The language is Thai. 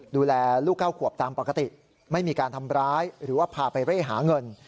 ดูแลลูก๙ขวบตามปกติไม่มีการทำร้ายหรือว่าพาไปเร่หาเงิน